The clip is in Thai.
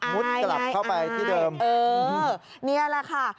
กลับเข้าไปที่เดิมเออนี่แหละค่ะ